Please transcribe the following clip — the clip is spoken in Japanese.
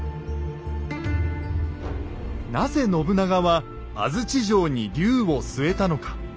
なぜ信長は安土城に龍を据えたのか。